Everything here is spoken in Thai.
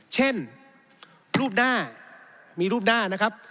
เช่นรูปหน้ามีรูปหน้านะครับ